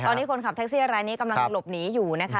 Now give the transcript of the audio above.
ตอนนี้คนขับแท็กซี่รายนี้กำลังหลบหนีอยู่นะคะ